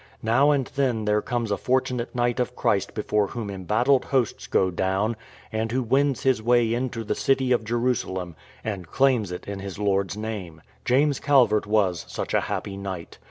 Now and then there comes a fortunate knight of Christ before whom embattled hosts go down, and who wins his way into the City of Jerusalem and claims it in his Lord's name. James Calvert was such a happy knight.